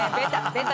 ベタ。